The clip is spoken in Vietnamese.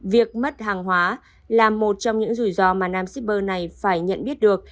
việc mất hàng hóa là một trong những rủi ro mà nam shipper này phải nhận biết được